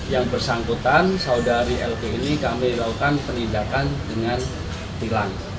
yang bersangkutan saudari lp ini kami lakukan penindakan dengan tilang